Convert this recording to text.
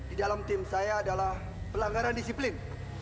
di dalam tim saya adalah pelanggaran disiplin